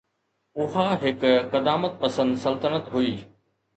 اها هڪ قدامت پسند سلطنت هئي.